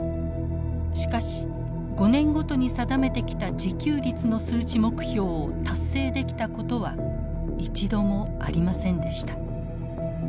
しかし５年ごとに定めてきた自給率の数値目標を達成できたことは一度もありませんでした。